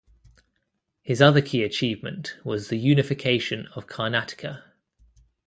His other key achievement was the Unification of Karnataka.